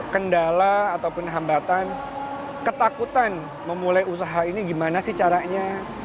kendala ataupun hambatan ketakutan memulai usaha ini gimana sih caranya